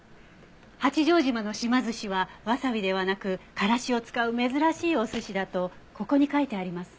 八丈島の島ずしはワサビではなくカラシを使う珍しいお寿司だとここに書いてあります。